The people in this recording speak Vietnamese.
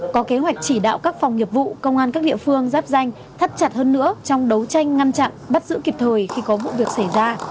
có kế hoạch chỉ đạo các phòng nghiệp vụ công an các địa phương giáp danh thắt chặt hơn nữa trong đấu tranh ngăn chặn bắt giữ kịp thời khi có vụ việc xảy ra